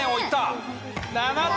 ７点。